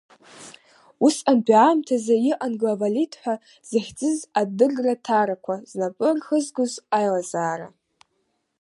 Усҟантәи аамҭазы иҟан главлит ҳәа захьӡыз адырраҭарақәа знапы рхызгоз аилазаара.